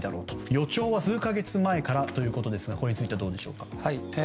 予兆は数か月前からということですがこれについてはどうでしょうか。